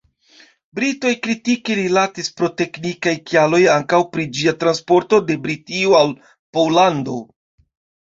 Britoj kritike rilatis pro teknikaj kialoj ankaŭ pri ĝia transporto de Britio al Pollando.